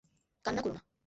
কান্না কোরো না।